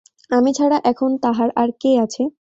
আমি ছাড়া এখন তাহার আর কে আছে।